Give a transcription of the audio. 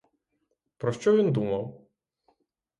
Про що він думав?